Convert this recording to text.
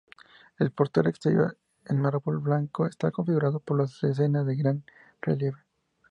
El portal exterior, en mármol blanco, está configurado por lesenas de gran relieve